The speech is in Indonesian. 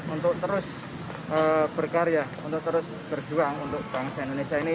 untuk terus berkarya untuk terus berjuang untuk bangsa indonesia ini